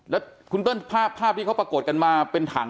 แล้วคุณเติ้ลภาพที่เขาปรากฏกันมาเป็นถัง